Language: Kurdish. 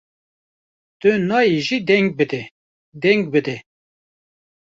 Tu nayê jî deng bide! deng bide!